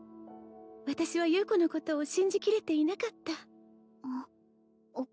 私は優子のことを信じ切れていなかったあお母さん